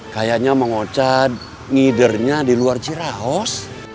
kayaknya mang ocat ngidernya di luar ciraos